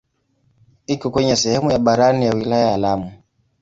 Iko kwenye sehemu ya barani ya wilaya ya Lamu.